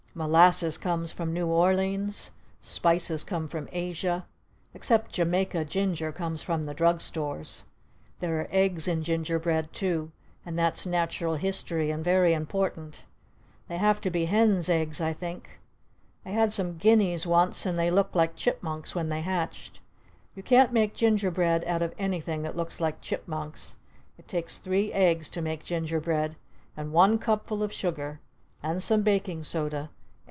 Molasses comes from New Orleans! Spices come from Asia! Except Jamaica Ginger comes from Drug Stores! There are eggs in ginger bread too! And that's Natural History and very important! They have to be hen's eggs I think! I had some guineas once and they looked like chipmunks when they hatched. You can't make ginger bread out of anything that looks like chipmunks! It takes three eggs to make ginger bread! And one cupful of sugar! And some baking soda!